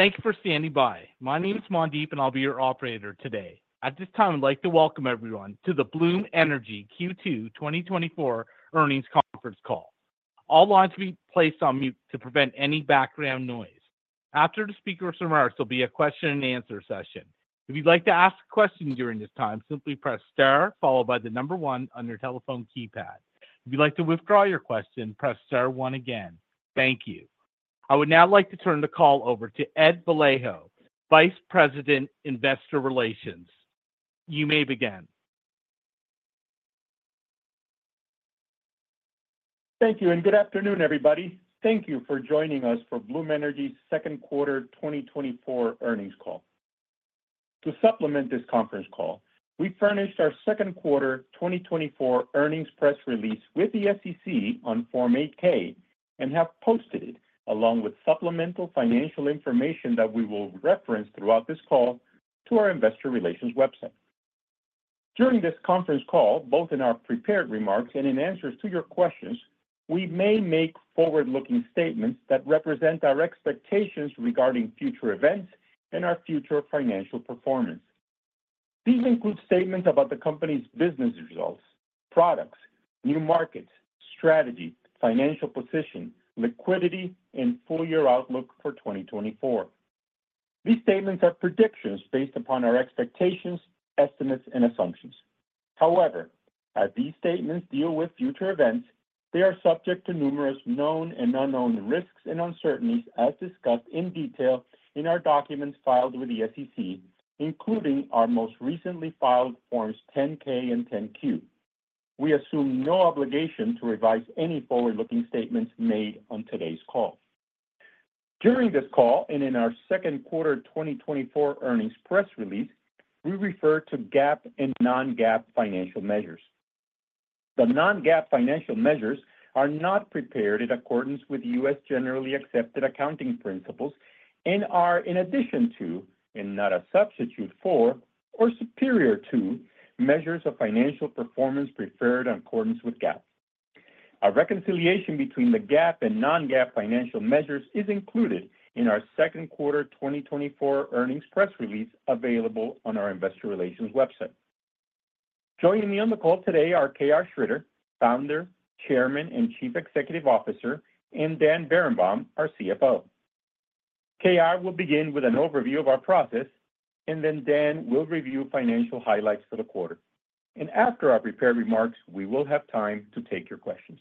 Thank you for standing by. My name is Mandeep, and I'll be your operator today. At this time, I'd like to welcome everyone to the Bloom Energy Q2 2024 earnings conference call. All lines will be placed on mute to prevent any background noise. After the speaker's remarks, there'll be a question-and-answer session. If you'd like to ask a question during this time, simply press star followed by the number one on your telephone keypad. If you'd like to withdraw your question, press star one again. Thank you. I would now like to turn the call over to Ed Vallejo, Vice President, Investor Relations. You may begin. Thank you, and good afternoon, everybody. Thank you for joining us for Bloom Energy's second quarter 2024 earnings call. To supplement this conference call, we furnished our second quarter 2024 earnings press release with the SEC on Form 8-K and have posted it, along with supplemental financial information that we will reference throughout this call, to our investor relations website. During this conference call, both in our prepared remarks and in answers to your questions, we may make forward-looking statements that represent our expectations regarding future events and our future financial performance. These include statements about the company's business results, products, new markets, strategy, financial position, liquidity, and full-year outlook for 2024. These statements are predictions based upon our expectations, estimates, and assumptions. However, as these statements deal with future events, they are subject to numerous known and unknown risks and uncertainties as discussed in detail in our documents filed with the SEC, including our most recently filed Forms 10-K and 10-Q. We assume no obligation to revise any forward-looking statements made on today's call. During this call and in our second quarter 2024 earnings press release, we refer to GAAP and non-GAAP financial measures. The non-GAAP financial measures are not prepared in accordance with U.S. generally accepted accounting principles and are in addition to, and not a substitute for or superior to, measures of financial performance preferred in accordance with GAAP. A reconciliation between the GAAP and non-GAAP financial measures is included in our second quarter 2024 earnings press release, available on our investor relations website. Joining me on the call today are KR Sridhar, Founder, Chairman, and Chief Executive Officer, and Dan Berenbaum, our CFO. KR will begin with an overview of our progress, and then Dan will review financial highlights for the quarter. And after our prepared remarks, we will have time to take your questions.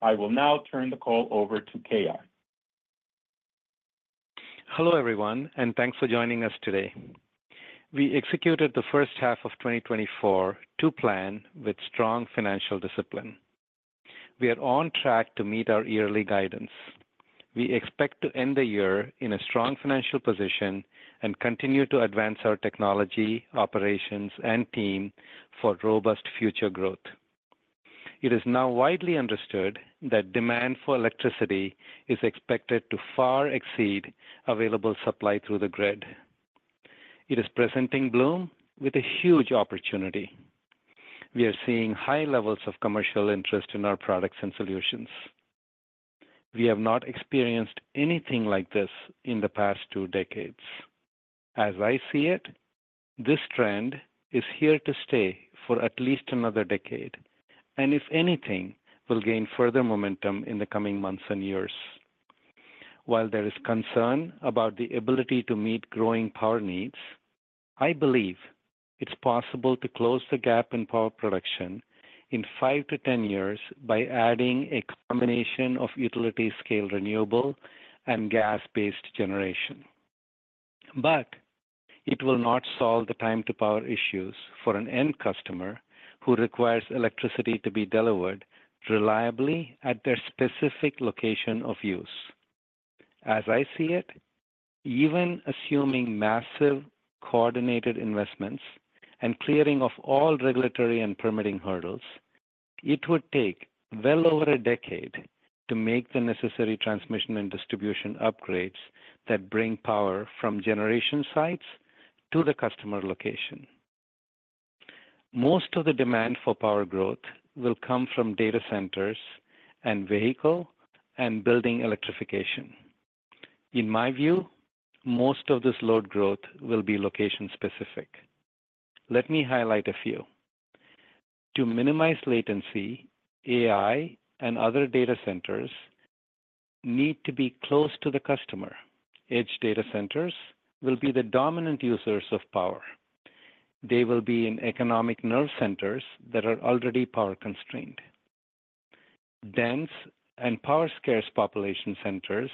I will now turn the call over to KR. Hello, everyone, and thanks for joining us today. We executed the first half of 2024 to plan with strong financial discipline. We are on track to meet our yearly guidance. We expect to end the year in a strong financial position and continue to advance our technology, operations, and team for robust future growth. It is now widely understood that demand for electricity is expected to far exceed available supply through the grid. It is presenting Bloom with a huge opportunity. We are seeing high levels of commercial interest in our products and solutions. We have not experienced anything like this in the past two decades. As I see it, this trend is here to stay for at least another decade, and if anything, will gain further momentum in the coming months and years. While there is concern about the ability to meet growing power needs, I believe it's possible to close the gap in power production in 5-10 years by adding a combination of utility-scale renewable and gas-based generation. But it will not solve the time-to-power issues for an end customer who requires electricity to be delivered reliably at their specific location of use. As I see it, even assuming massive coordinated investments and clearing of all regulatory and permitting hurdles, it would take well over a decade to make the necessary transmission and distribution upgrades that bring power from generation sites to the customer location. Most of the demand for power growth will come from data centers and vehicle and building electrification. In my view, most of this load growth will be location-specific. Let me highlight a few. To minimize latency, AI and other data centers need to be close to the customer. Edge data centers will be the dominant users of power. They will be in economic nerve centers that are already power-constrained. Dense and power-scarce population centers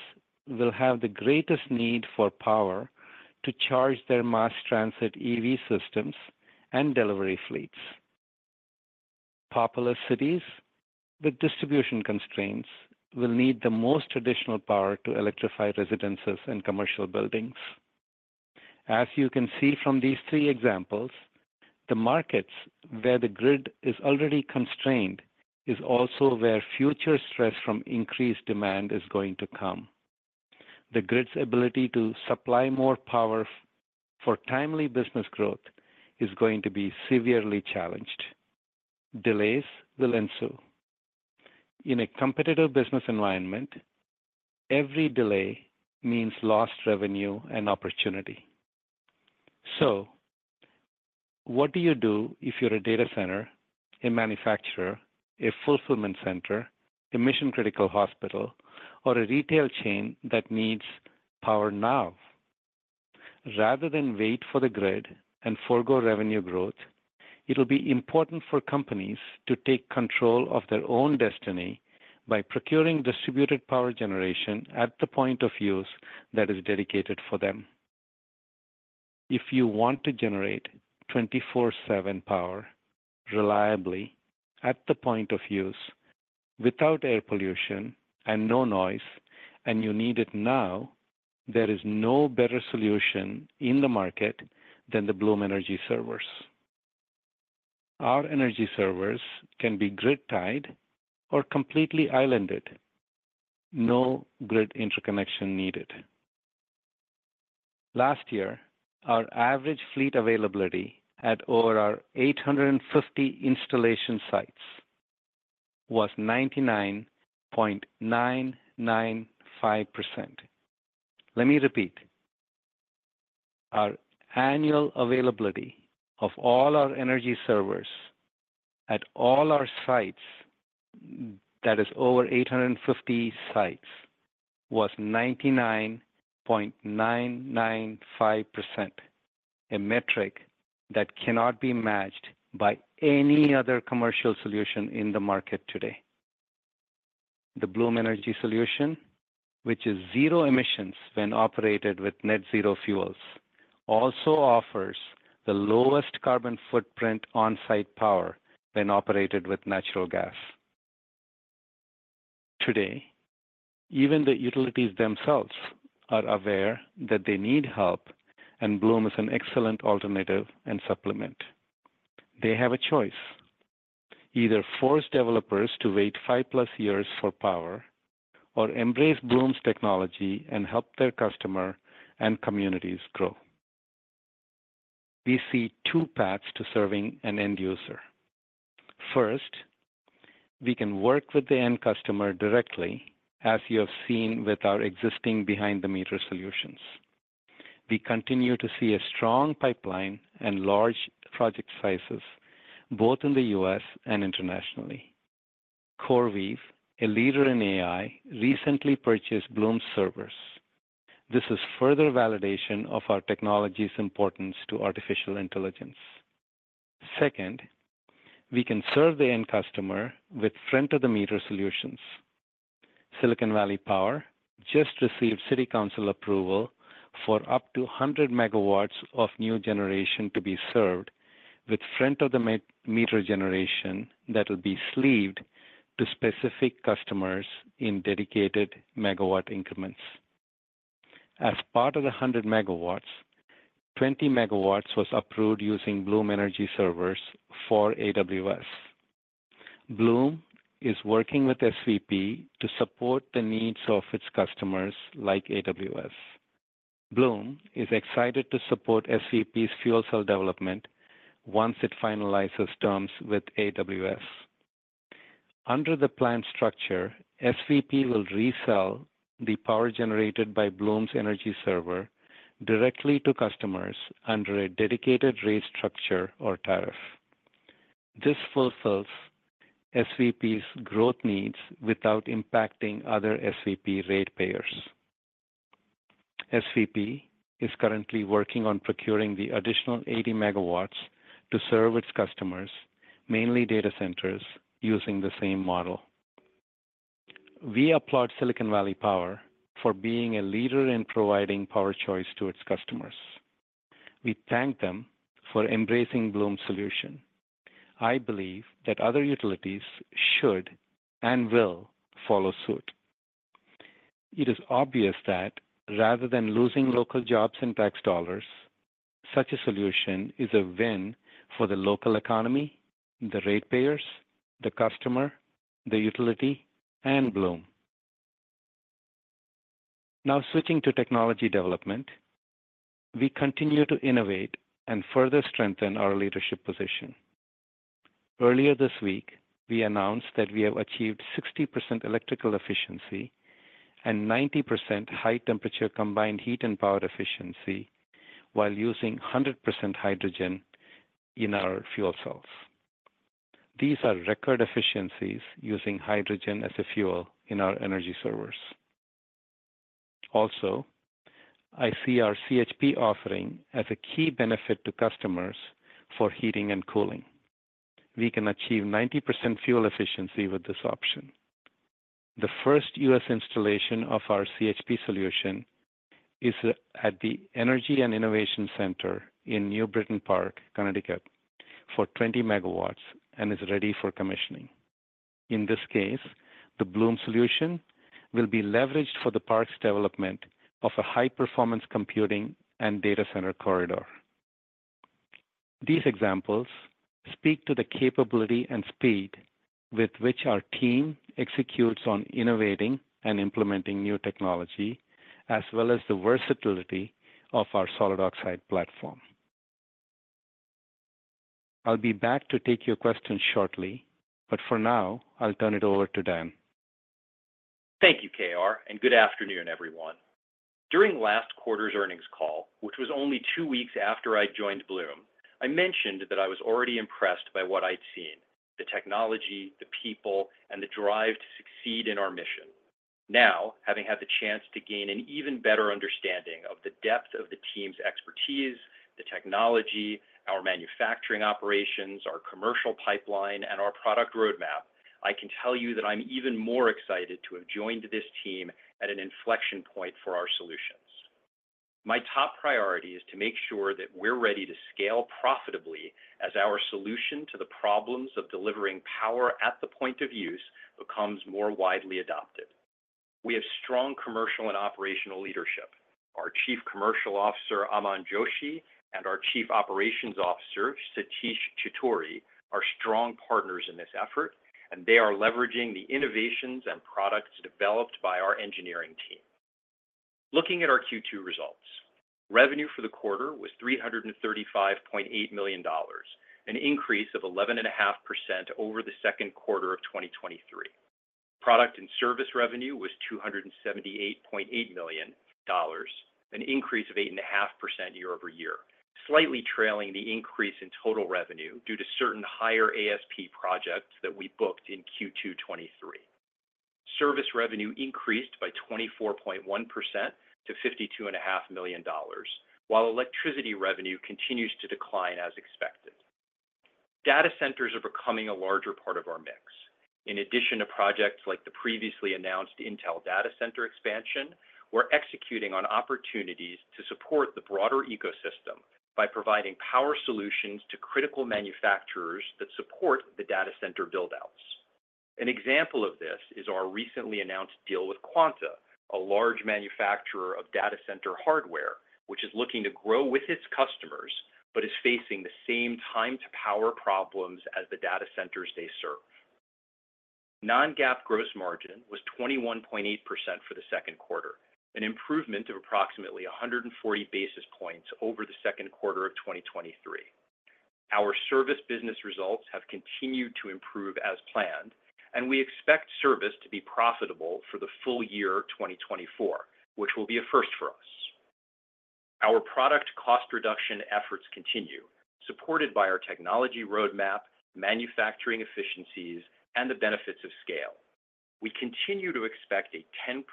will have the greatest need for power to charge their mass transit EV systems and delivery fleets. Populous cities with distribution constraints will need the most additional power to electrify residences and commercial buildings. As you can see from these three examples, the markets where the grid is already constrained is also where future stress from increased demand is going to come. The grid's ability to supply more power for timely business growth is going to be severely challenged. Delays will ensue. In a competitive business environment, every delay means lost revenue and opportunity. So what do you do if you're a data center, a manufacturer, a fulfillment center, a mission-critical hospital, or a retail chain that needs power now? Rather than wait for the grid and forgo revenue growth, it'll be important for companies to take control of their own destiny by procuring distributed power generation at the point of use that is dedicated for them. If you want to generate 24/7 power reliably at the point of use, without air pollution and no noise, and you need it now, there is no better solution in the market than the Bloom Energy Servers. Our energy servers can be grid-tied or completely islanded, no grid interconnection needed. Last year, our average fleet availability at over our 850 installation sites was 99.995%. Let me repeat, our annual availability of all our energy servers at all our sites, that is over 850 sites, was 99.995%, a metric that cannot be matched by any other commercial solution in the market today. The Bloom Energy Solution, which is zero emissions when operated with net zero fuels, also offers the lowest carbon footprint on-site power when operated with natural gas. Today, even the utilities themselves are aware that they need help, and Bloom is an excellent alternative and supplement. They have a choice: either force developers to wait 5+ years for power or embrace Bloom's technology and help their customer and communities grow. We see two paths to serving an end user. First, we can work with the end customer directly, as you have seen with our existing behind-the-meter solutions. We continue to see a strong pipeline and large project sizes, both in the U.S. and internationally. CoreWeave, a leader in AI, recently purchased Bloom Servers. This is further validation of our technology's importance to artificial intelligence. Second, we can serve the end customer with front-of-the-meter solutions. Silicon Valley Power just received city council approval for up to 100 MW of new generation to be served with front-of-the-meter generation that will be sleeved to specific customers in dedicated MW increments. As part of the 100 MW, 20 MW was approved using Bloom Energy Servers for AWS. Bloom is working with SVP to support the needs of its customers, like AWS. Bloom is excited to support SVP's fuel cell development once it finalizes terms with AWS. Under the planned structure, SVP will resell the power generated by Bloom's Energy Server directly to customers under a dedicated rate structure or tariff. This fulfills SVP's growth needs without impacting other SVP ratepayers. SVP is currently working on procuring the additional 80 MW to serve its customers, mainly data centers, using the same model. We applaud Silicon Valley Power for being a leader in providing power choice to its customers. We thank them for embracing Bloom's solution. I believe that other utilities should and will follow suit. It is obvious that rather than losing local jobs and tax dollars, such a solution is a win for the local economy, the ratepayers, the customer, the utility, and Bloom. Now, switching to technology development, we continue to innovate and further strengthen our leadership position. Earlier this week, we announced that we have achieved 60% electrical efficiency and 90% high-temperature combined heat and power efficiency while using 100% hydrogen in our fuel cells. These are record efficiencies using hydrogen as a fuel in our energy servers. Also, I see our CHP offering as a key benefit to customers for heating and cooling. We can achieve 90% fuel efficiency with this option. The first U.S. installation of our CHP solution is at the Energy and Innovation Park in New Britain, Connecticut, for 20 MW and is ready for commissioning. In this case, the Bloom solution will be leveraged for the park's development of a high-performance computing and data center corridor. These examples speak to the capability and speed with which our team executes on innovating and implementing new technology, as well as the versatility of our solid oxide platform.... I'll be back to take your questions shortly, but for now, I'll turn it over to Dan. Thank you, KR, and good afternoon, everyone. During last quarter's earnings call, which was only two weeks after I joined Bloom, I mentioned that I was already impressed by what I'd seen: the technology, the people, and the drive to succeed in our mission. Now, having had the chance to gain an even better understanding of the depth of the team's expertise, the technology, our manufacturing operations, our commercial pipeline, and our product roadmap, I can tell you that I'm even more excited to have joined this team at an inflection point for our solutions. My top priority is to make sure that we're ready to scale profitably as our solution to the problems of delivering power at the point of use becomes more widely adopted. We have strong commercial and operational leadership. Our Chief Commercial Officer, Aman Joshi, and our Chief Operations Officer, Satish Chittoori, are strong partners in this effort, and they are leveraging the innovations and products developed by our engineering team. Looking at our Q2 results, revenue for the quarter was $335.8 million, an increase of 11.5% over the second quarter of 2023. Product and service revenue was $278.8 million, an increase of 8.5% year-over-year, slightly trailing the increase in total revenue due to certain higher ASP projects that we booked in Q2 2023. Service revenue increased by 24.1% to $52.5 million, while electricity revenue continues to decline as expected. Data centers are becoming a larger part of our mix. In addition to projects like the previously announced Intel data center expansion, we're executing on opportunities to support the broader ecosystem by providing power solutions to critical manufacturers that support the data center build-outs. An example of this is our recently announced deal with Quanta, a large manufacturer of data center hardware, which is looking to grow with its customers, but is facing the same time-to-power problems as the data centers they serve. Non-GAAP gross margin was 21.8% for the second quarter, an improvement of approximately 140 basis points over the second quarter of 2023. Our service business results have continued to improve as planned, and we expect service to be profitable for the full year 2024, which will be a first for us. Our product cost reduction efforts continue, supported by our technology roadmap, manufacturing efficiencies, and the benefits of scale. We continue to expect a 10%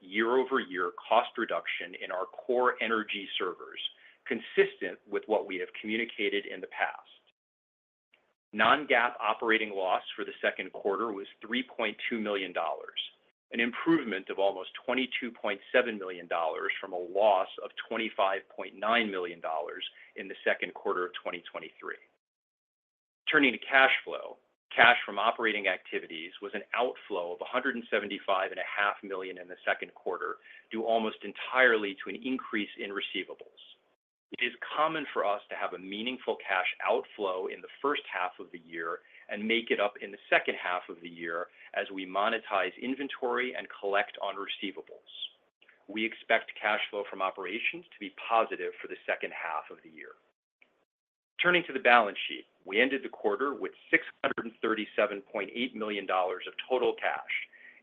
year-over-year cost reduction in our core energy servers, consistent with what we have communicated in the past. Non-GAAP operating loss for the second quarter was $3.2 million, an improvement of almost $22.7 million from a loss of $25.9 million in the second quarter of 2023. Turning to cash flow, cash from operating activities was an outflow of $175.5 million in the second quarter, due almost entirely to an increase in receivables. It is common for us to have a meaningful cash outflow in the first half of the year and make it up in the second half of the year as we monetize inventory and collect on receivables. We expect cash flow from operations to be positive for the second half of the year. Turning to the balance sheet, we ended the quarter with $637.8 million of total cash,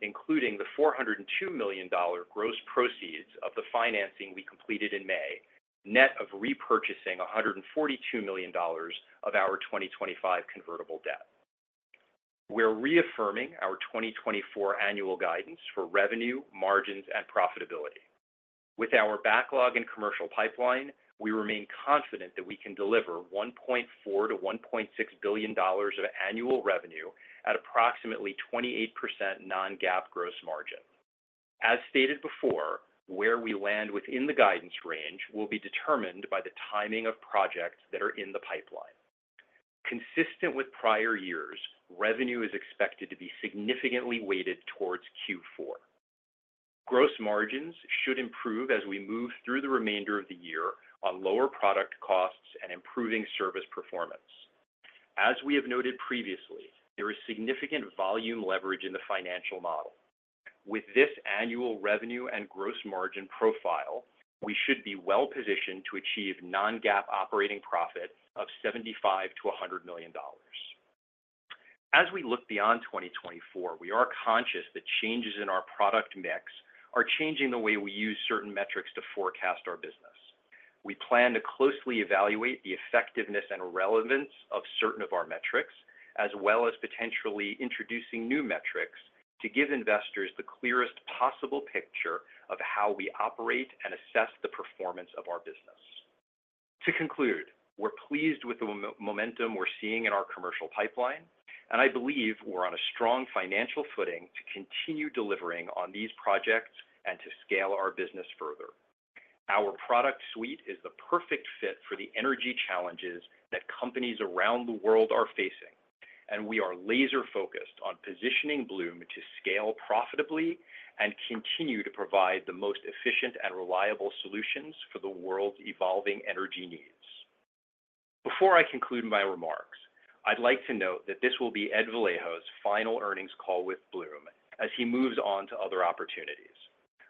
including the $402 million gross proceeds of the financing we completed in May, net of repurchasing $142 million of our 2025 convertible debt. We're reaffirming our 2024 annual guidance for revenue, margins, and profitability. With our backlog and commercial pipeline, we remain confident that we can deliver $1.4 billion-$1.6 billion of annual revenue at approximately 28% Non-GAAP gross margin. As stated before, where we land within the guidance range will be determined by the timing of projects that are in the pipeline. Consistent with prior years, revenue is expected to be significantly weighted towards Q4. Gross margins should improve as we move through the remainder of the year on lower product costs and improving service performance. As we have noted previously, there is significant volume leverage in the financial model. With this annual revenue and gross margin profile, we should be well positioned to achieve non-GAAP operating profit of $75 million-$100 million. As we look beyond 2024, we are conscious that changes in our product mix are changing the way we use certain metrics to forecast our business. We plan to closely evaluate the effectiveness and relevance of certain of our metrics, as well as potentially introducing new metrics, to give investors the clearest possible picture of how we operate and assess the performance of our business. To conclude, we're pleased with the momentum we're seeing in our commercial pipeline, and I believe we're on a strong financial footing to continue delivering on these projects and to scale our business further. Our product suite is the perfect fit for the energy challenges that companies around the world are facing, and we are laser focused on positioning Bloom to scale profitably and continue to provide the most efficient and reliable solutions for the world's evolving energy needs. Before I conclude my remarks, I'd like to note that this will be Ed Vallejo's final earnings call with Bloom as he moves on to other opportunities.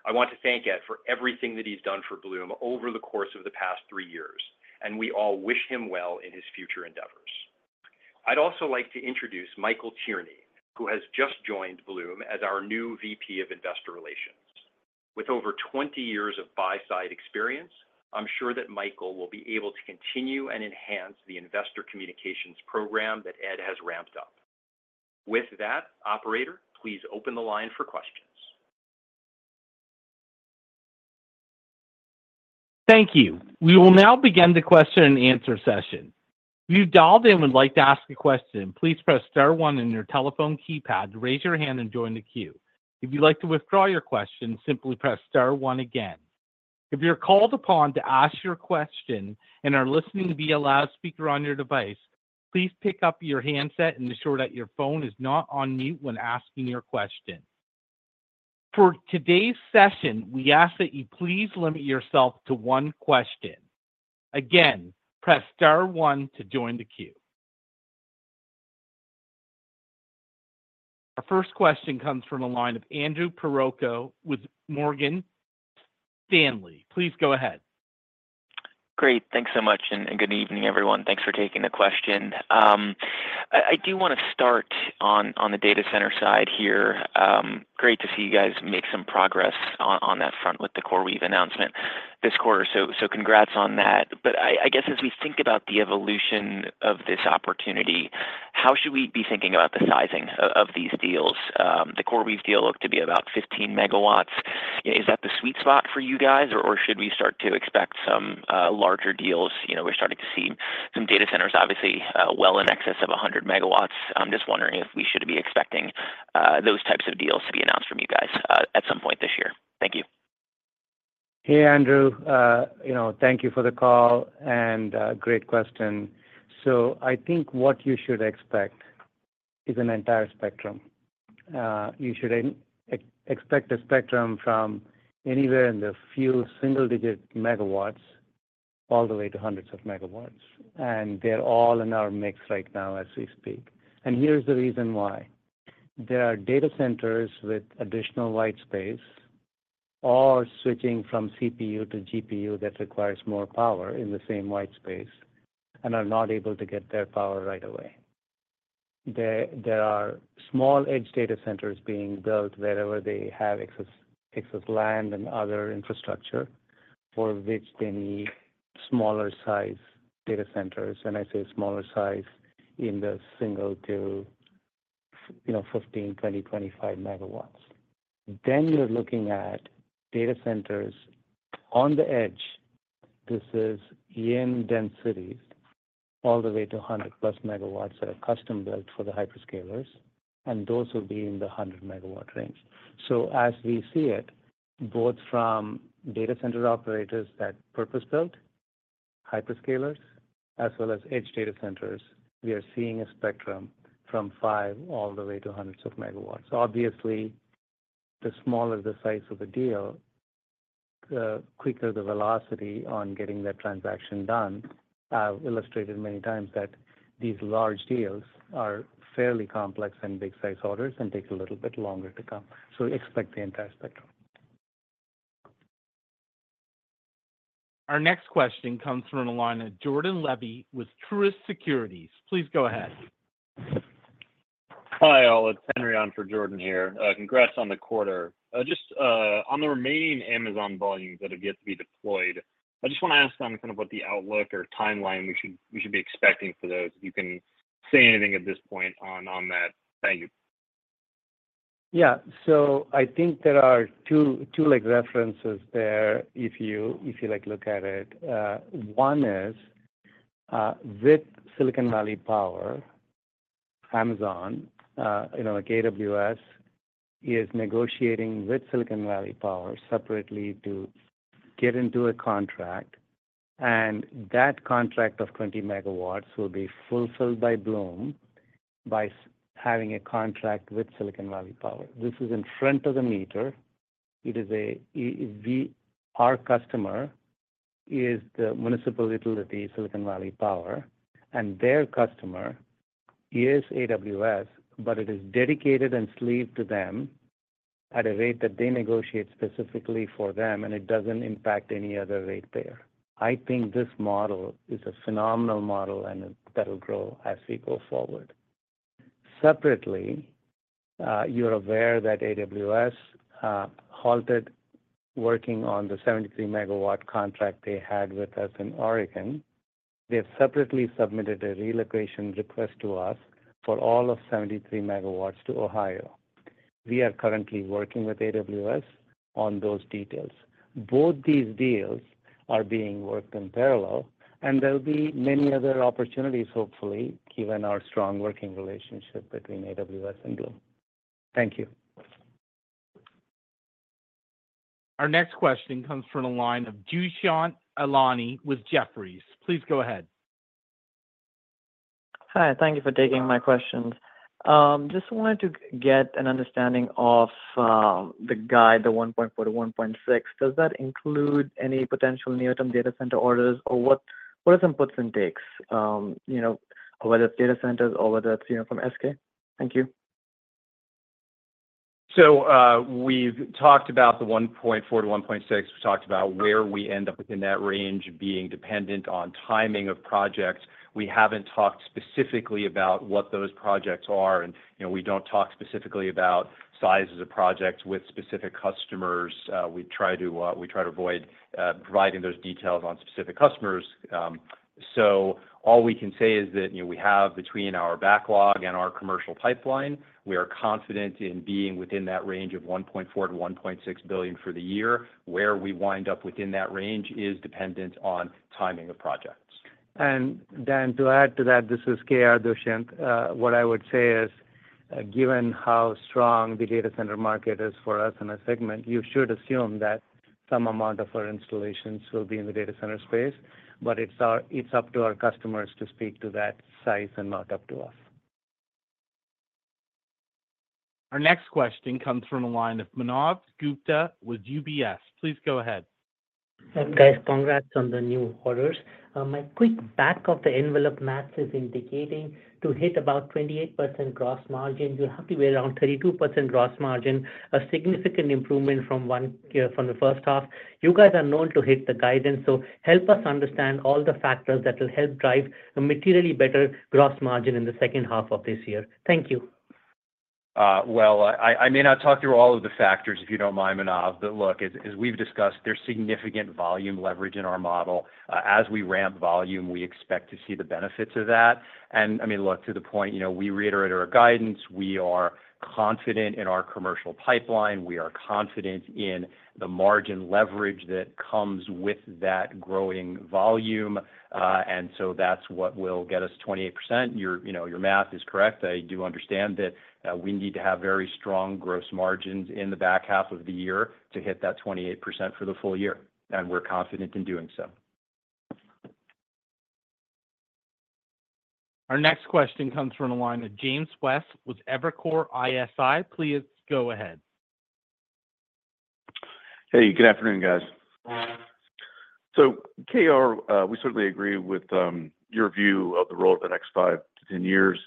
I want to thank Ed for everything that he's done for Bloom over the course of the past three years, and we all wish him well in his future endeavors. I'd also like to introduce Michael Tierney, who has just joined Bloom as our new VP of Investor Relations. With over 20 years of buy-side experience, I'm sure that Michael will be able to continue and enhance the investor communications program that Ed has ramped up. With that, operator, please open the line for questions. Thank you. We will now begin the question and answer session. If you dialed in and would like to ask a question, please press star one on your telephone keypad to raise your hand and join the queue. If you'd like to withdraw your question, simply press star one again. If you're called upon to ask your question and are listening via loudspeaker on your device, please pick up your handset and ensure that your phone is not on mute when asking your question. For today's session, we ask that you please limit yourself to one question. Again, press star one to join the queue. Our first question comes from the line of Andrew Percoco with Morgan Stanley. Please go ahead. Great. Thanks so much, and good evening, everyone. Thanks for taking the question. I do want to start on the data center side here. Great to see you guys make some progress on that front with the CoreWeave announcement this quarter. So congrats on that. But I guess as we think about the evolution of this opportunity, how should we be thinking about the sizing of these deals? The CoreWeave deal looked to be about 15 MW. Is that the sweet spot for you guys, or should we start to expect some larger deals? You know, we're starting to see some data centers obviously, well in excess of 100 megawatts. I'm just wondering if we should be expecting those types of deals to be announced from you guys at some point this year. Thank you. Hey, Andrew. You know, thank you for the call, and great question. So I think what you should expect is an entire spectrum. You should expect a spectrum from anywhere in the few single-digit megawatts all the way to hundreds of megawatts, and they're all in our mix right now as we speak. And here's the reason why: There are data centers with additional white space or switching from CPU to GPU that requires more power in the same white space and are not able to get their power right away. There are small edge data centers being built wherever they have excess land and other infrastructure, for which they need smaller size data centers, and I say smaller size in the single to, you know, 15 MW, 20 MW, 25 MW. Then you're looking at data centers on the edge. This is in densities all the way to 100+ MW that are custom-built for the hyperscalers, and those will be in the 100-MW range. So as we see it, both from data center operators that purpose-built hyperscalers as well as edge data centers, we are seeing a spectrum from five all the way to hundreds of MW. Obviously, the smaller the size of the deal, the quicker the velocity on getting that transaction done. I've illustrated many times that these large deals are fairly complex and big size orders and take a little bit longer to come. So expect the entire spectrum. Our next question comes from the line of Jordan Levy with Truist Securities. Please go ahead. Hi, all. It's Henry on for Jordan here. Congrats on the quarter. Just on the remaining Amazon volumes that are yet to be deployed, I just want to ask on kind of what the outlook or timeline we should be expecting for those. If you can say anything at this point on that. Thank you. Yeah. So I think there are two, like, references there if you, like, look at it. One is with Silicon Valley Power, Amazon, you know, like AWS, is negotiating with Silicon Valley Power separately to get into a contract, and that contract of 20 MW will be fulfilled by Bloom by having a contract with Silicon Valley Power. This is in front of the meter. It is. Our customer is the municipal utility, Silicon Valley Power, and their customer is AWS, but it is dedicated and sleeved to them at a rate that they negotiate specifically for them, and it doesn't impact any other ratepayer. I think this model is a phenomenal model, and that'll grow as we go forward. Separately, you're aware that AWS halted working on the 73-MW contract they had with us in Oregon. They have separately submitted a relocation request to us for all of 73 MW to Ohio. We are currently working with AWS on those details. Both these deals are being worked in parallel, and there'll be many other opportunities, hopefully, given our strong working relationship between AWS and Bloom. Thank you. Our next question comes from the line of Dushyant Ailani with Jefferies. Please go ahead. Hi, thank you for taking my questions. Just wanted to get an understanding of the guide, the $1.4-$1.6 billion. Does that include any potential near-term data center orders, or what, what are the inputs and takes, you know, whether it's data centers or whether it's from SK? Thank you. We've talked about the $1.4-$1.6 billion. We talked about where we end up within that range being dependent on timing of projects. We haven't talked specifically about what those projects are, and you know, we don't talk specifically about sizes of projects with specific customers. We try to avoid providing those details on specific customers. All we can say is that, you know, we have between our backlog and our commercial pipeline, we are confident in being within that range of $1.4 billion-$1.6 billion for the year. Where we wind up within that range is dependent on timing of projects. Dan, to add to that, this is KR Sridhar. What I would say is, given how strong the data center market is for us in our segment, you should assume that some amount of our installations will be in the data center space, but it's our - it's up to our customers to speak to that size and not up to us. Our next question comes from the line of Manav Gupta with UBS. Please go ahead. Guys, congrats on the new orders. My quick back-of-the-envelope math is indicating to hit about 28% gross margin, you'll have to be around 32% gross margin, a significant improvement from one year from the first half. You guys are known to hit the guidance, so help us understand all the factors that will help drive a materially better gross margin in the second half of this year. Thank you. Well, I may not talk through all of the factors, if you don't mind, Manav, but look, as we've discussed, there's significant volume leverage in our model. As we ramp volume, we expect to see the benefits of that. And I mean, look, to the point, you know, we reiterate our guidance. We are confident in our commercial pipeline. We are confident in the margin leverage that comes with that growing volume. And so that's what will get us 28%. You know, your math is correct. I do understand that, we need to have very strong gross margins in the back half of the year to hit that 28% for the full year, and we're confident in doing so. Our next question comes from the line of James West with Evercore ISI. Please go ahead. Hey, good afternoon, guys. So KR, we certainly agree with your view of the role of the next 5 to 10 years,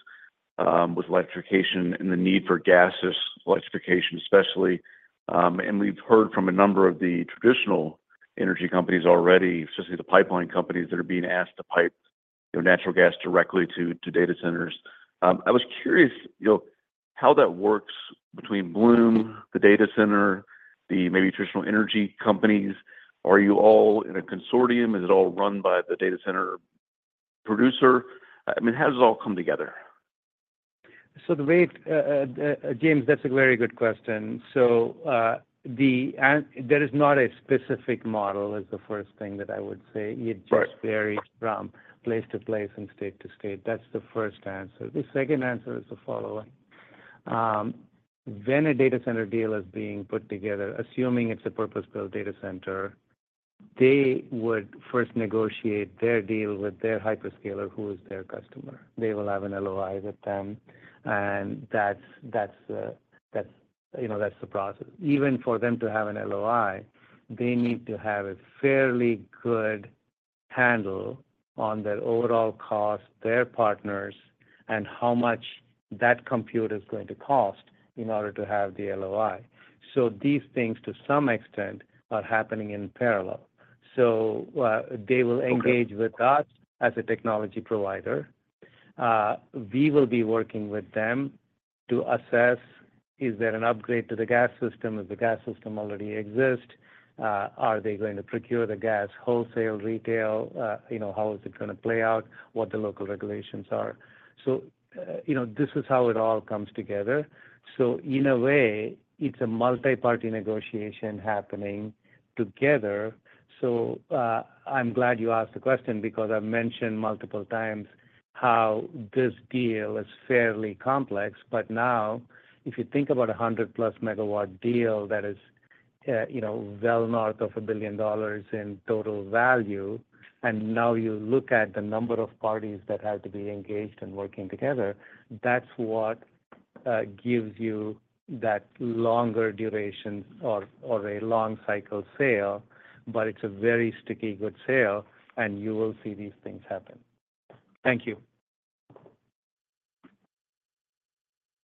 with electrification and the need for gases, electrification, especially. And we've heard from a number of the traditional energy companies already, especially the pipeline companies, that are being asked to pipe their natural gas directly to, to data centers. I was curious, you know, how that works between Bloom, the data center, the maybe traditional energy companies. Are you all in a consortium? Is it all run by the data center producer? I mean, how does it all come together? So the way, James, that's a very good question. So, there is not a specific model, is the first thing that I would say. Right. It just varies from place to place and state to state. That's the first answer. The second answer is the following: When a data center deal is being put together, assuming it's a purpose-built data center, they would first negotiate their deal with their hyperscaler, who is their customer. They will have an LOI with them, and that's, you know, that's the process. Even for them to have an LOI, they need to have a fairly good handle on their overall cost, their partners, and how much that compute is going to cost in order to have the LOI. So these things, to some extent, are happening in parallel. So, they will- Okay... engage with us as a technology provider. We will be working with them to assess, is there an upgrade to the gas system? Does the gas system already exist? Are they going to procure the gas, wholesale, retail? You know, how is it going to play out? What the local regulations are. So, you know, this is how it all comes together. So in a way, it's a multiparty negotiation happening together. So, I'm glad you asked the question because I've mentioned multiple times how this deal is fairly complex. But now, if you think about a 100+ MW deal, that is, you know, well north of $1 billion in total value, and now you look at the number of parties that have to be engaged and working together, that's what gives you that longer duration or, or a long cycle sale, but it's a very sticky, good sale, and you will see these things happen. Thank you.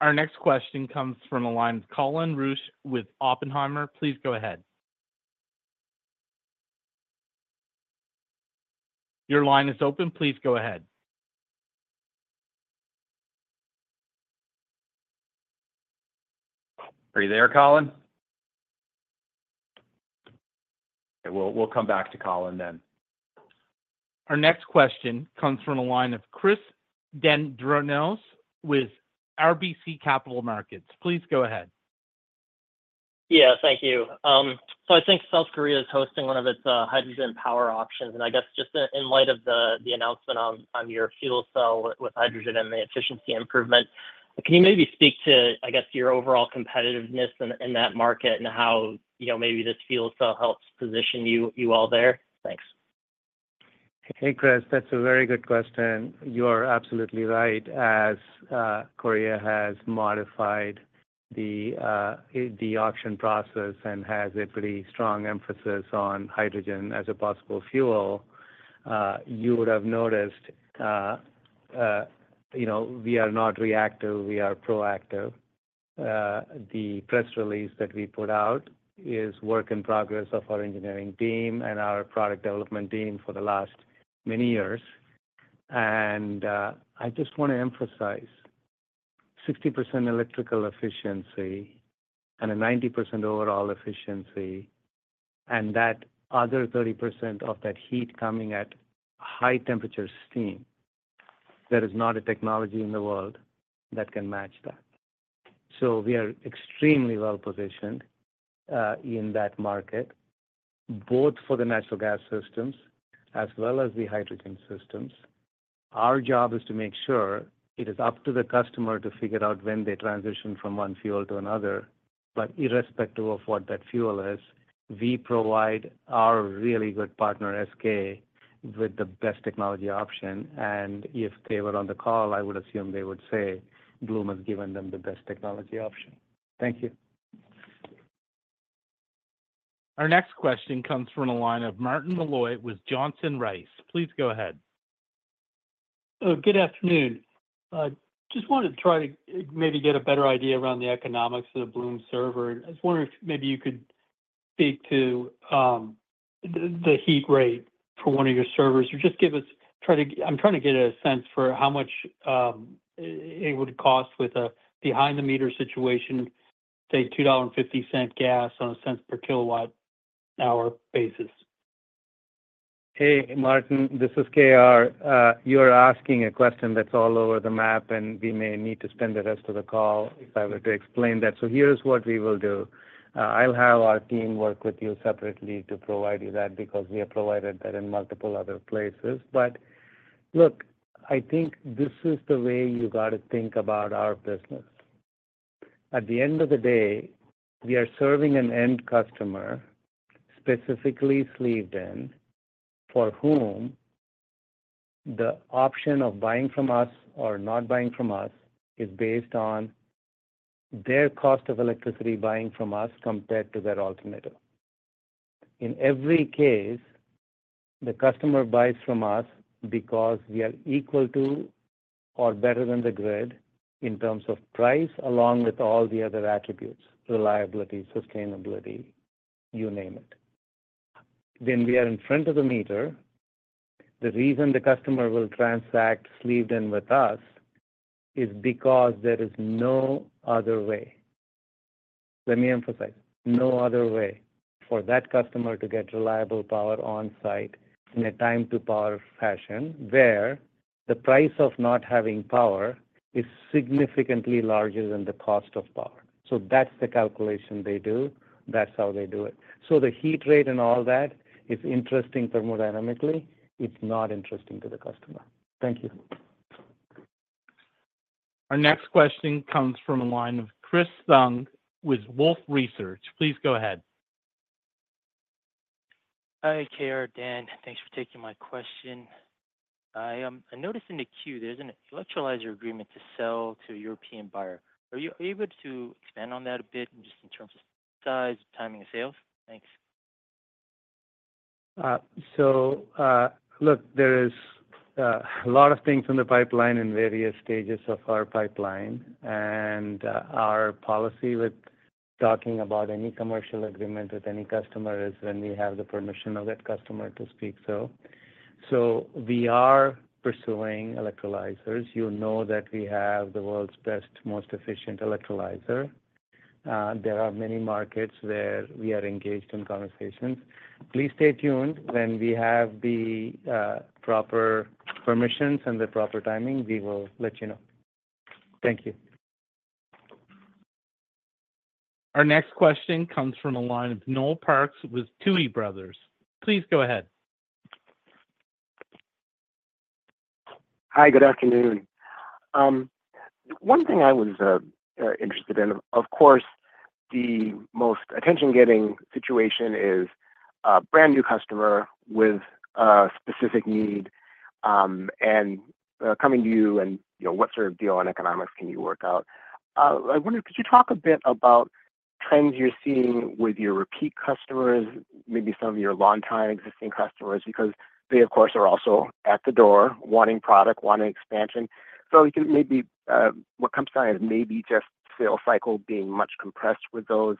Our next question comes from the line of Colin Rusch with Oppenheimer. Please go ahead. Your line is open. Please go ahead. Are you there, Colin? We'll, we'll come back to Colin then. Our next question comes from the line of Chris Dendrinos with RBC Capital Markets. Please go ahead. Yeah, thank you. So I think South Korea is hosting one of its hydrogen power options, and I guess just in light of the announcement on your fuel cell with hydrogen and the efficiency improvement, can you maybe speak to your overall competitiveness in that market and how, you know, maybe this fuel cell helps position you all there? Thanks. Hey, Chris, that's a very good question. You're absolutely right. As Korea has modified the auction process and has a pretty strong emphasis on hydrogen as a possible fuel, you would have noticed, you know, we are not reactive, we are proactive. The press release that we put out is work in progress of our engineering team and our product development team for the last many years. And I just want to emphasize, 60% electrical efficiency and a 90% overall efficiency, and that other 30% of that heat coming at high temperature steam, there is not a technology in the world that can match that. So we are extremely well-positioned in that market, both for the natural gas systems as well as the hydrogen systems. Our job is to make sure it is up to the customer to figure out when they transition from one fuel to another. But irrespective of what that fuel is, we provide our really good partner, SK, with the best technology option, and if they were on the call, I would assume they would say Bloom has given them the best technology option. Thank you. Our next question comes from the line of Martin Malloy with Johnson Rice. Please go ahead. Good afternoon. I just wanted to try to maybe get a better idea around the economics of the Bloom server. I was wondering if maybe you could speak to the heat rate for one of your servers, or just give us... I'm trying to get a sense for how much it would cost with a behind-the-meter situation, say, $2.50 gas on a cents per kilowatt-hour basis. Hey, Martin, this is KR. You're asking a question that's all over the map, and we may need to spend the rest of the call if I were to explain that. So here's what we will do. I'll have our team work with you separately to provide you that, because we have provided that in multiple other places. But look, I think this is the way you got to think about our business. At the end of the day, we are serving an end customer, specifically sleeved in, for whom the option of buying from us or not buying from us is based on their cost of electricity buying from us compared to their alternative. In every case, the customer buys from us because we are equal to or better than the grid in terms of price, along with all the other attributes, reliability, sustainability, you name it. When we are in front of the meter, the reason the customer will transact sleeved in with us is because there is no other way. Let me emphasize, no other way for that customer to get reliable power on site in a time-to-power fashion, where the price of not having power is significantly larger than the cost of power. So that's the calculation they do. That's how they do it. So the heat rate and all that is interesting thermodynamically, it's not interesting to the customer. Thank you. Our next question comes from the line of Chris Deng with Wolfe Research. Please go ahead. Hi, KR, Dan, thanks for taking my question. I noticed in the Q, there's an electrolyzer agreement to sell to a European buyer. Are you able to expand on that a bit, just in terms of size, timing of sales? Thanks. So, look, there is a lot of things in the pipeline, in various stages of our pipeline, and our policy with talking about any commercial agreement with any customer is when we have the permission of that customer to speak so. So we are pursuing electrolyzers. You know that we have the world's best, most efficient electrolyzer. There are many markets where we are engaged in conversations. Please stay tuned. When we have the proper permissions and the proper timing, we will let you know. Thank you. Our next question comes from the line of Noel Parks with Tuohy Brothers. Please go ahead. Hi, good afternoon. One thing I was interested in, of course, the most attention-getting situation is a brand-new customer with a specific need and coming to you, and, you know, what sort of deal on economics can you work out? I wonder, could you talk a bit about trends you're seeing with your repeat customers, maybe some of your long-time existing customers, because they, of course, are also at the door wanting product, wanting expansion. So you can maybe, what comes to mind is maybe just sales cycle being much compressed with those.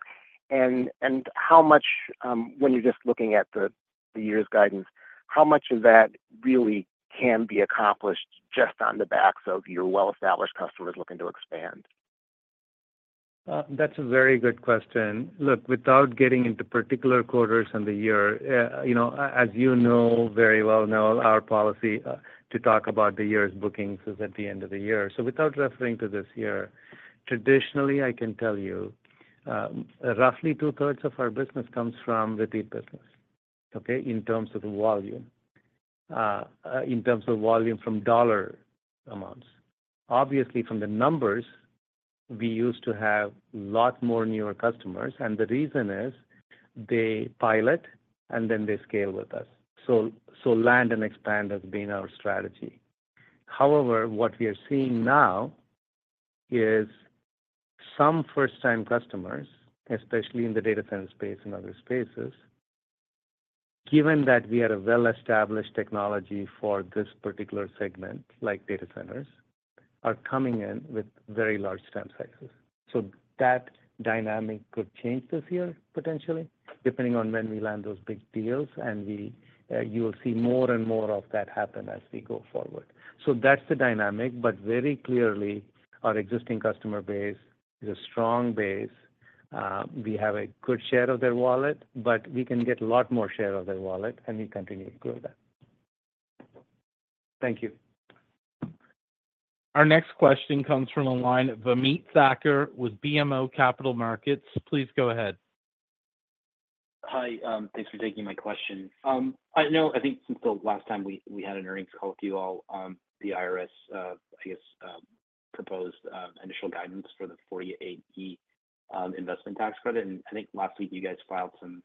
And how much, when you're just looking at the year's guidance, how much of that really can be accomplished just on the backs of your well-established customers looking to expand? That's a very good question. Look, without getting into particular quarters in the year, you know, as you very well know, our policy to talk about the year's bookings is at the end of the year. So without referring to this year, traditionally, I can tell you, roughly two-thirds of our business comes from repeat business, okay? In terms of volume. In terms of volume from dollar amounts. Obviously, from the numbers, we used to have a lot more newer customers, and the reason is they pilot, and then they scale with us. So land and expand has been our strategy. However, what we are seeing now is some first-time customers, especially in the data center space and other spaces, given that we are a well-established technology for this particular segment, like data centers, are coming in with very large stamp sizes. So that dynamic could change this year, potentially, depending on when we land those big deals, and you will see more and more of that happen as we go forward. So that's the dynamic, but very clearly, our existing customer base is a strong base. We have a good share of their wallet, but we can get a lot more share of their wallet, and we continue to grow that. Thank you. Our next question comes from the line of Ameet Thakkar with BMO Capital Markets. Please go ahead. Hi, thanks for taking my question. I know, I think since the last time we had an earnings call with you all, the IRS, I guess, proposed initial guidance for the 48E investment tax credit. I think last week, you guys filed some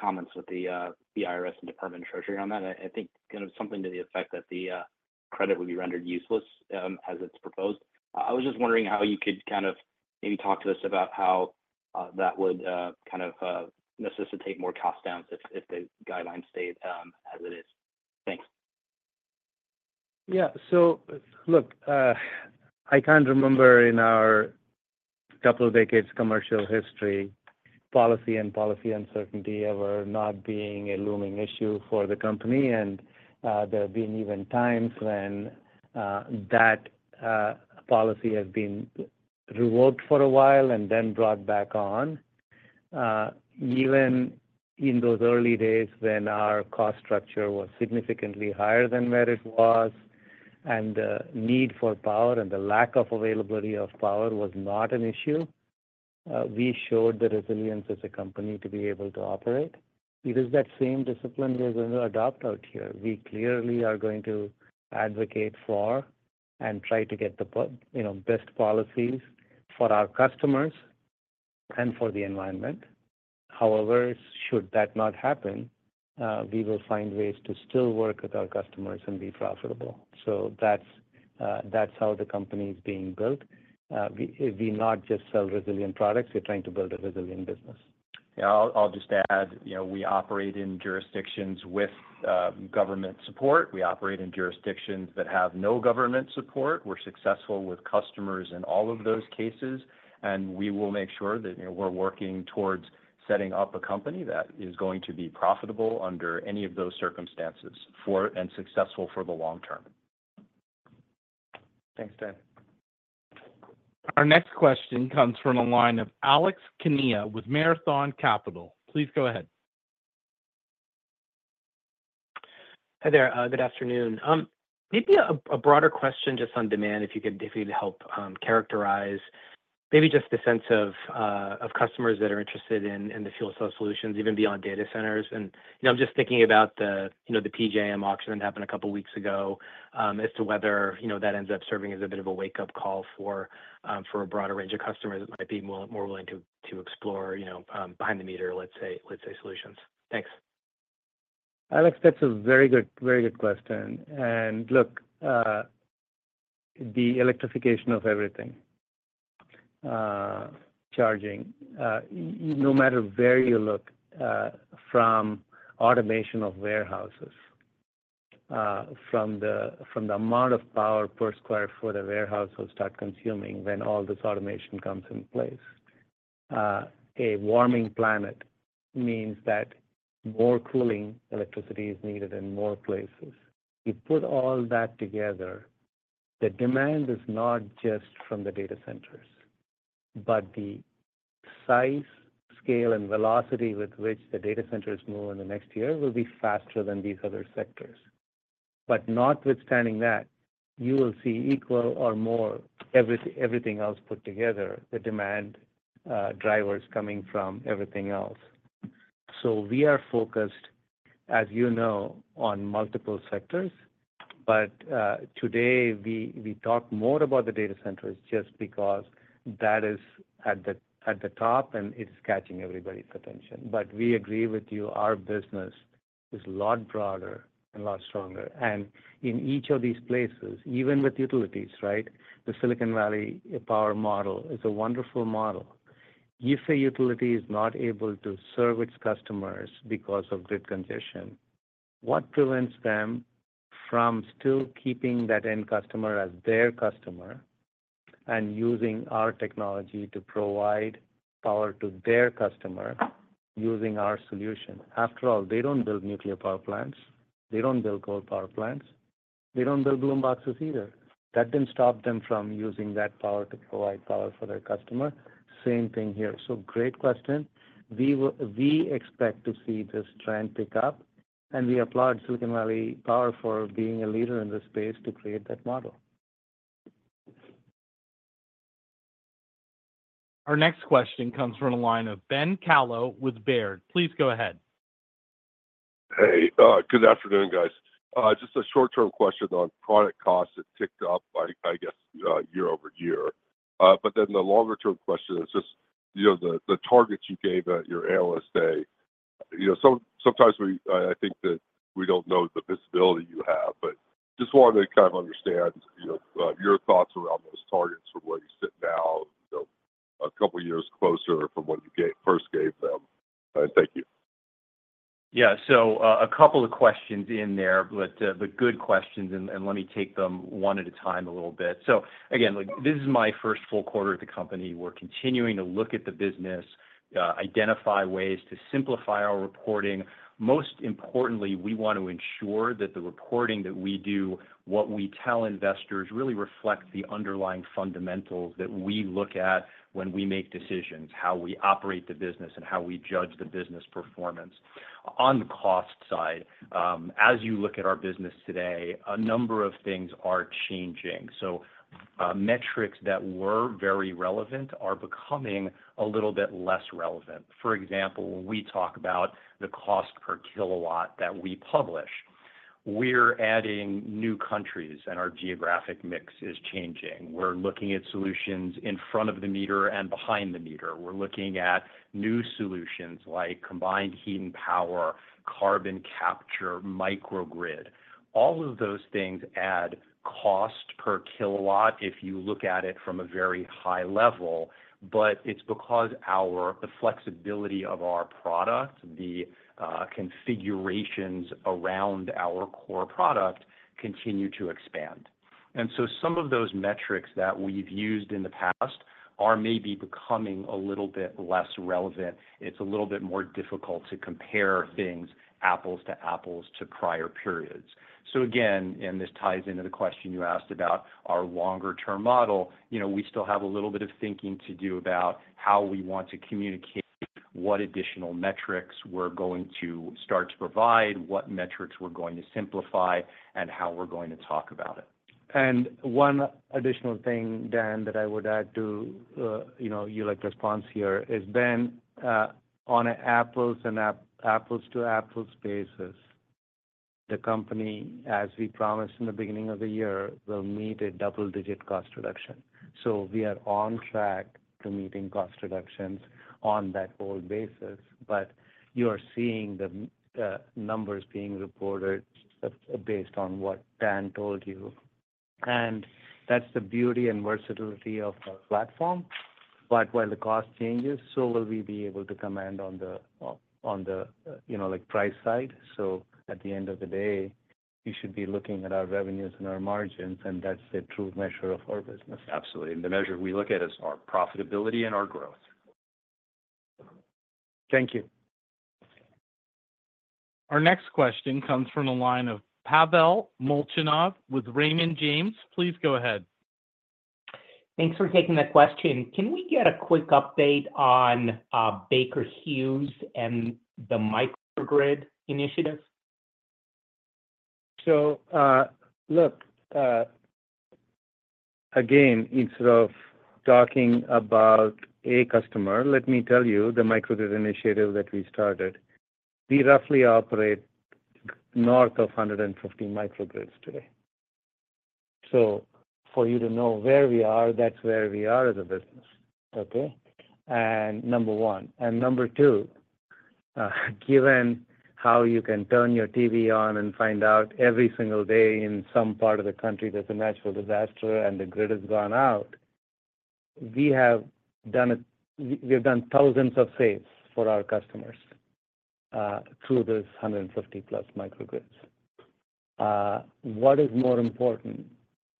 comments with the IRS and Department of the Treasury on that. I think kind of something to the effect that the credit would be rendered useless as it's proposed. I was just wondering how you could kind of maybe talk to us about how that would kind of necessitate more cost downs if the guidelines stayed as it is. Thanks. Yeah. So look, I can't remember in our couple of decades commercial history, policy and policy uncertainty ever not being a looming issue for the company. And, there have been even times when, that, policy has been revoked for a while and then brought back on. Even in those early days when our cost structure was significantly higher than where it was, and the need for power and the lack of availability of power was not an issue, we showed the resilience as a company to be able to operate. It is that same discipline we're going to adopt out here. We clearly are going to advocate for and try to get the you know, best policies for our customers and for the environment. However, should that not happen, we will find ways to still work with our customers and be profitable. So that's how the company is being built. We not just sell resilient products, we're trying to build a resilient business. Yeah, I'll just add, you know, we operate in jurisdictions with government support. We operate in jurisdictions that have no government support. We're successful with customers in all of those cases, and we will make sure that, you know, we're working towards setting up a company that is going to be profitable under any of those circumstances, and successful for the long term. Thanks, Dan. Our next question comes from the line of Alex Kania with Marathon Capital. Please go ahead. Hi there. Good afternoon. Maybe a broader question just on demand, if you could definitely help characterize maybe just the sense of customers that are interested in the fuel cell solutions, even beyond data centers. You know, I'm just thinking about the, you know, the PJM auction that happened a couple of weeks ago as to whether, you know, that ends up serving as a bit of a wake-up call for a broader range of customers that might be more willing to explore, you know, behind the meter, let's say solutions. Thanks. Alex, that's a very good, very good question. And look, the electrification of everything, charging, no matter where you look, from automation of warehouses, from the amount of power per square foot, a warehouse will start consuming when all this automation comes in place. A warming planet means that more cooling electricity is needed in more places. You put all that together, the demand is not just from the data centers, but the size, scale, and velocity with which the data centers grow in the next year will be faster than these other sectors. But notwithstanding that, you will see equal or more, everything else put together, the demand, drivers coming from everything else. So we are focused, as you know, on multiple sectors, but, today we talk more about the data centers just because that is at the top, and it's catching everybody's attention. But we agree with you, our business is a lot broader and a lot stronger. And in each of these places, even with utilities, right? The Silicon Valley Power model is a wonderful model. If a utility is not able to serve its customers because of grid congestion, what prevents them from still keeping that end customer as their customer and using our technology to provide power to their customer using our solution? After all, they don't build nuclear power plants, they don't build coal power plants, they don't build Bloom boxes either. That didn't stop them from using that power to provide power for their customer. Same thing here. So great question. We expect to see this trend pick up, and we applaud Silicon Valley Power for being a leader in this space to create that model. Our next question comes from the line of Ben Kallo with Baird. Please go ahead. Hey, good afternoon, guys. Just a short-term question on product costs. It ticked up by, I guess, year over year. But then the longer-term question is just, you know, the, the targets you gave at your analyst day. You know, sometimes we-- I think that we don't know the visibility you have, but just wanted to kind of understand, you know, your thoughts around those targets from where you sit now, you know, a couple years closer from when you first gave them. Thank you. Yeah. So, a couple of questions in there, but, but good questions, and, and let me take them one at a time a little bit. So again, like, this is my first full quarter at the company. We're continuing to look at the business, identify ways to simplify our reporting. Most importantly, we want to ensure that the reporting that we do, what we tell investors, really reflects the underlying fundamentals that we look at when we make decisions, how we operate the business, and how we judge the business performance. On the cost side, as you look at our business today, a number of things are changing. So, metrics that were very relevant are becoming a little bit less relevant. For example, when we talk about the cost per kilowatt that we publish, we're adding new countries, and our geographic mix is changing. We're looking at solutions in front of the meter and behind the meter. We're looking at new solutions like combined heat and power, carbon capture, microgrid. All of those things add cost per kilowatt if you look at it from a very high level, but it's because the flexibility of our product, the configurations around our core product, continue to expand. And so some of those metrics that we've used in the past are maybe becoming a little bit less relevant. It's a little bit more difficult to compare things, apples to apples, to prior periods. So again, and this ties into the question you asked about our longer-term model, you know, we still have a little bit of thinking to do about how we want to communicate, what additional metrics we're going to start to provide, what metrics we're going to simplify, and how we're going to talk about it. And one additional thing, Dan, that I would add to, you know, your response here, is, Dan, on an apples-to-apples basis, the company, as we promised in the beginning of the year, will meet a double-digit cost reduction. So we are on track to meeting cost reductions on that old basis, but you are seeing the numbers being reported based on what Dan told you. And that's the beauty and versatility of our platform. But when the cost changes, so will we be able to command on the, you know, like, price side. So at the end of the day, you should be looking at our revenues and our margins, and that's the true measure of our business. Absolutely. And the measure we look at is our profitability and our growth. Thank you. Our next question comes from the line of Pavel Molchanov with Raymond James. Please go ahead. Thanks for taking the question. Can we get a quick update on Baker Hughes and the microgrid initiative? So, look, again, instead of talking about a customer, let me tell you the microgrid initiative that we started. We roughly operate north of 150 microgrids today. So for you to know where we are, that's where we are as a business, okay? And number one. And number two, given how you can turn your TV on and find out every single day in some part of the country there's a natural disaster, and the grid has gone out, we have done it, we've done thousands of saves for our customers, through those 150-plus microgrids. What is more important,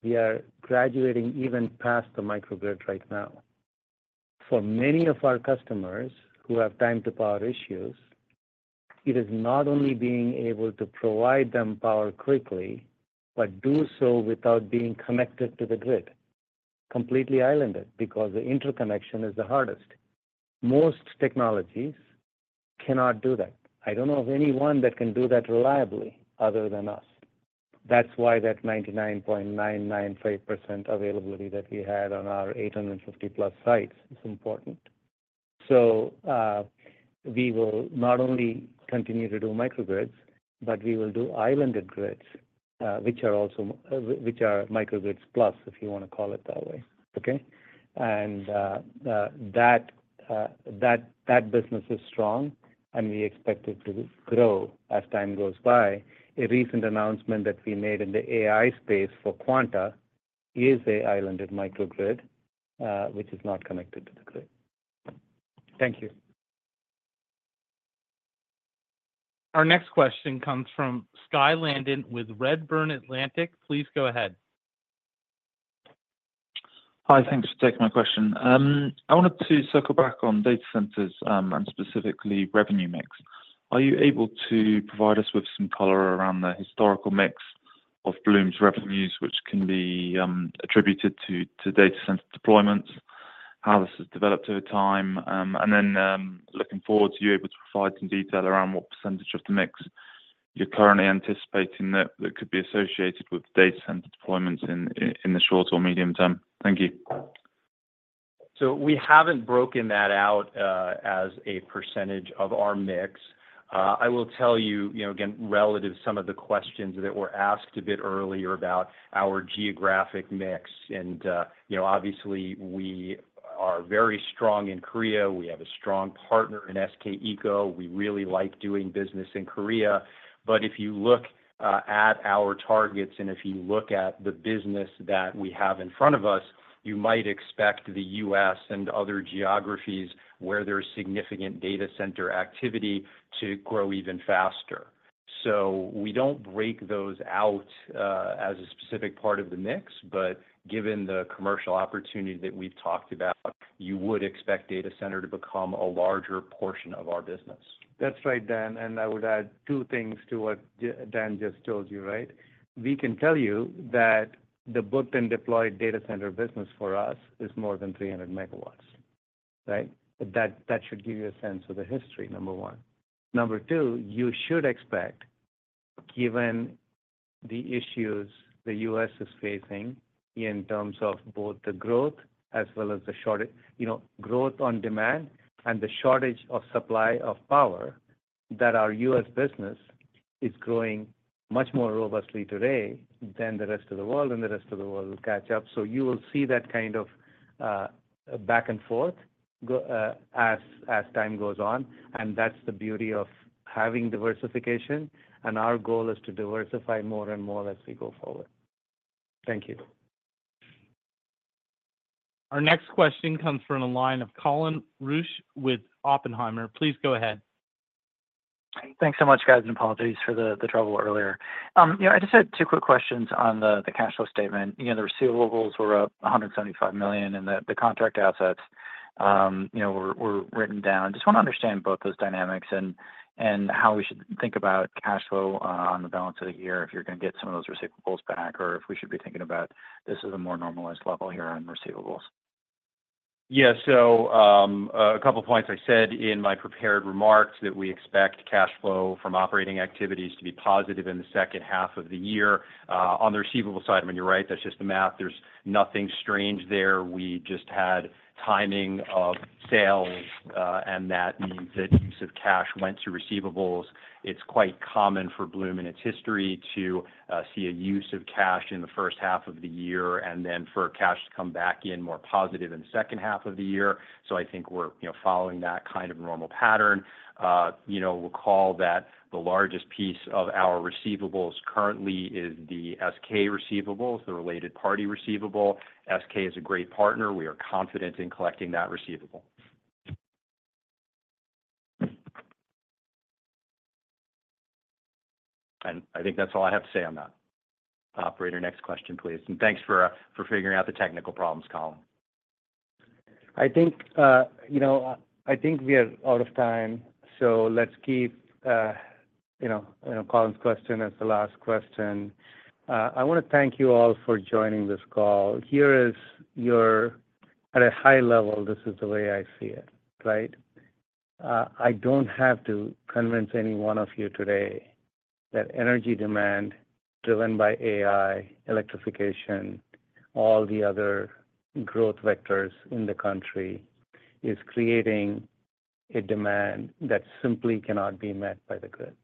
we are graduating even past the microgrid right now. For many of our customers who have time-to-power issues, it is not only being able to provide them power quickly, but do so without being connected to the grid, completely islanded, because the interconnection is the hardest. Most technologies cannot do that. I don't know of anyone that can do that reliably other than us. That's why that 99.995% availability that we had on our 850+ sites is important. So, we will not only continue to do microgrids, but we will do islanded grids, which are also microgrids plus, if you want to call it that way, okay? And that business is strong, and we expect it to grow as time goes by. A recent announcement that we made in the AI space for Quanta is an islanded microgrid, which is not connected to the grid. Thank you. Our next question comes from Skye Landon with Redburn Atlantic. Please go ahead. Hi, thanks for taking my question. I wanted to circle back on data centers, and specifically revenue mix. Are you able to provide us with some color around the historical mix of Bloom's revenues, which can be, attributed to, to data center deployments? How this has developed over time, and then, looking forward, are you able to provide some detail around what percentage of the mix you're currently anticipating that, that could be associated with data center deployments in, in the short or medium term? Thank you. So we haven't broken that out as a percentage of our mix. I will tell you, you know, again, relative to some of the questions that were asked a bit earlier about our geographic mix. You know, obviously, we are very strong in Korea. We have a strong partner in SK Ecoplant. We really like doing business in Korea. But if you look at our targets, and if you look at the business that we have in front of us, you might expect the U.S. and other geographies, where there's significant data center activity, to grow even faster. So we don't break those out as a specific part of the mix, but given the commercial opportunity that we've talked about, you would expect data center to become a larger portion of our business. That's right, Dan, and I would add two things to what Dan just told you, right? We can tell you that the booked and deployed data center business for us is more than 300 MW, right? That should give you a sense of the history, number one. Number two, you should expect, given the issues the U.S. is facing in terms of both the growth as well as the shortage, you know, growth on demand and the shortage of supply of power, that our U.S. business is growing much more robustly today than the rest of the world, and the rest of the world will catch up. So you will see that kind of back and forth go as time goes on, and that's the beauty of having diversification, and our goal is to diversify more and more as we go forward. Thank you. Our next question comes from the line of Colin Rusch with Oppenheimer. Please go ahead. Thanks so much, guys, and apologies for the, the trouble earlier. You know, I just had two quick questions on the, the cash flow statement. You know, the receivables were up $175 million, and the, the contract assets, you know, were, were written down. Just want to understand both those dynamics and, and how we should think about cash flow, on the balance of the year, if you're gonna get some of those receivables back, or if we should be thinking about this as a more normalized level here on receivables. Yeah. So, a couple of points I said in my prepared remarks, that we expect cash flow from operating activities to be positive in the second half of the year. On the receivable side, I mean, you're right, that's just the math. There's nothing strange there. We just had timing of sales, and that means that use of cash went to receivables. It's quite common for Bloom in its history to see a use of cash in the first half of the year, and then for cash to come back in more positive in the second half of the year. So I think we're, you know, following that kind of normal pattern. You know, recall that the largest piece of our receivables currently is the SK receivables, the related party receivable. SK is a great partner. We are confident in collecting that receivable. I think that's all I have to say on that. Operator, next question, please. And thanks for figuring out the technical problems, Colin. I think, you know, I think we are out of time, so let's keep, you know, Colin's question as the last question. I want to thank you all for joining this call. At a high level, this is the way I see it, right? I don't have to convince any one of you today that energy demand, driven by AI, electrification, all the other growth vectors in the country, is creating a demand that simply cannot be met by the grid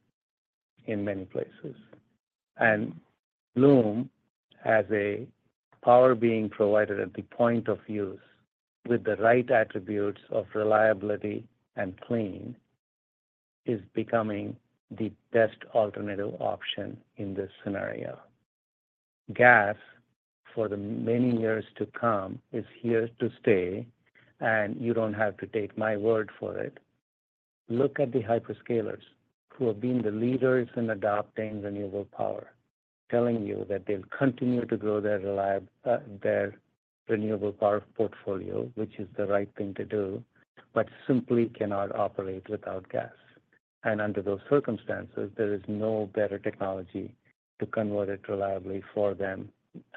in many places. And Bloom, as a power being provided at the point of use with the right attributes of reliability and clean, is becoming the best alternative option in this scenario. Gas, for the many years to come, is here to stay, and you don't have to take my word for it. Look at the hyperscalers, who have been the leaders in adopting renewable power, telling you that they'll continue to grow their renewable power portfolio, which is the right thing to do, but simply cannot operate without gas. And under those circumstances, there is no better technology to convert it reliably for them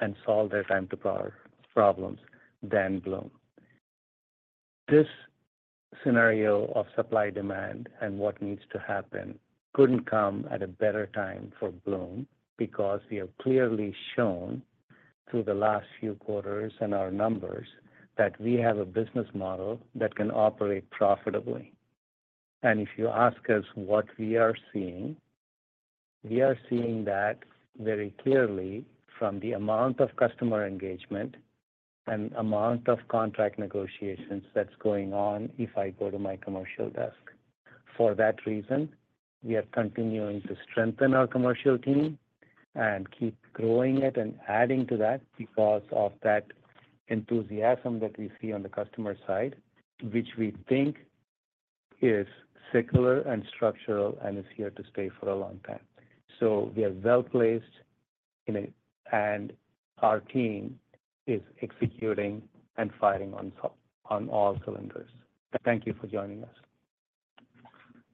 and solve their time-to-power problems than Bloom. This scenario of supply, demand, and what needs to happen couldn't come at a better time for Bloom, because we have clearly shown through the last few quarters and our numbers, that we have a business model that can operate profitably. And if you ask us what we are seeing, we are seeing that very clearly from the amount of customer engagement and amount of contract negotiations that's going on, if I go to my commercial desk. For that reason, we are continuing to strengthen our commercial team and keep growing it and adding to that because of that enthusiasm that we see on the customer side, which we think is secular and structural and is here to stay for a long time. We are well placed in it, and our team is executing and firing on all cylinders. Thank you for joining us.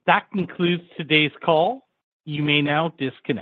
That concludes today's call. You may now disconnect.